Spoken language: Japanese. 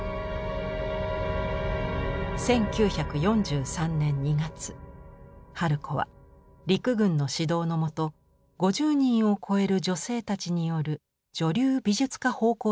１９４３年２月春子は陸軍の指導のもと５０人を超える女性たちによる「女流美術家奉公隊」を結成。